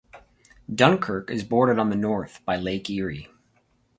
Dunkirk is bordered on the north by Lake Erie.